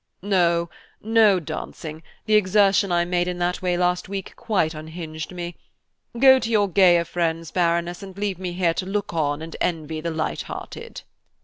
"No–no dancing, the exertion I made in that way last week quite unhinged me. Go to your gayer friends, Baroness, and leave me here to look on and envy the light hearted."